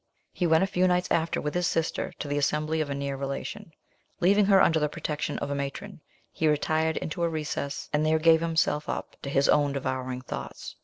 He went a few nights after with his sister to the assembly of a near relation. Leaving her under the protection of a matron, he retired into a recess, and there gave himself up to his own devouring thoughts.